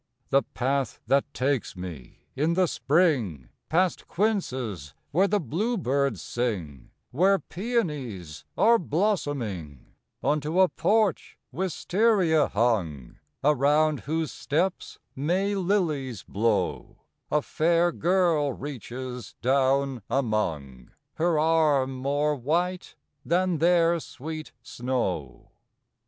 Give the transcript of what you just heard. The path that takes me, in the spring, Past quinces where the blue birds sing, Where peonies are blossoming, Unto a porch, wistaria hung, Around whose steps May lilies blow, A fair girl reaches down among, Her arm more white than their sweet snow.